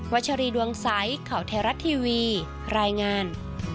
วัชรีดวงสายข่าวเทราะห์ทีวีรายงาน